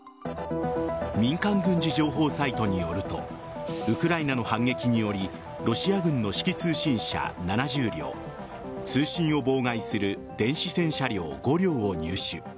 民間軍事情報サイトによるとウクライナの反撃によりロシア軍の指揮通信車７０両通信を妨害する電子戦車両５両を入手。